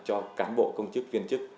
cho cán bộ công chức viên chức